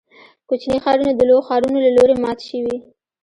کوچني ښارونه د لویو ښارونو له لوري مات شوي.